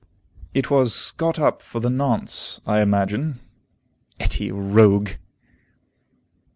It was got up for the nonce, I imagine. Etty a rogue!